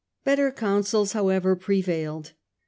Better counsels, however, prevailed.